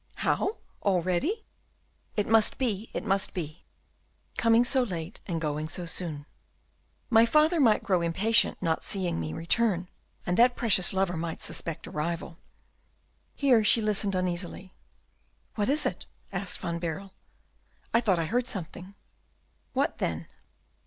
"How? already?" "It must be, it must be." "Coming so late and going so soon." "My father might grow impatient not seeing me return, and that precious lover might suspect a rival." Here she listened uneasily. "What is it?" asked Van Baerle. "I thought I heard something." "What, then?"